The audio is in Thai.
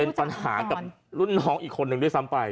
เป็นปัญหากับรุ่นน้องอีกคนนึงด้วยซ้ำไป